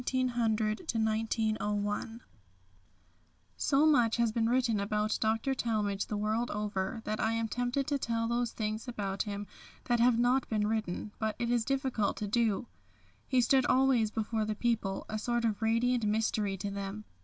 THE THIRD MILESTONE 1900 1901 So much has been written about Dr. Talmage the world over, that I am tempted to tell those things about him that have not been written, but it is difficult to do. He stood always before the people a sort of radiant mystery to them.